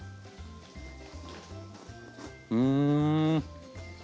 うん。